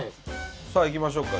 さあ行きましょうか。